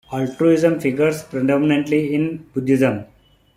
Altruism figures prominently in Buddhism.